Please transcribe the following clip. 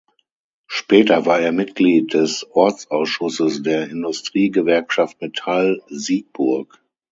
Später war er Mitglied des Ortsausschusses der Industrie-Gewerkschaft Metall, Siegburg.